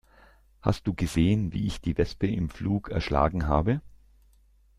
Hast du gesehen, wie ich die Wespe im Flug erschlagen habe?